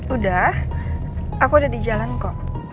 udah aku udah di jalan kok